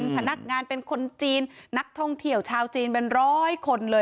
พนักงานเป็นคนจีนนักท่องเที่ยวชาวจีนเป็นร้อยคนเลย